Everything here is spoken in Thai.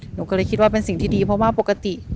หนูก็เลยคิดว่าเป็นสิ่งที่ดีเพราะว่าปกติ